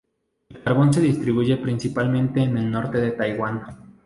El carbón se distribuye principalmente en el norte de Taiwán.